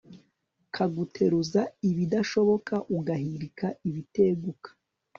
kaguteruza ibidashoboka, ugahirika ibiteguka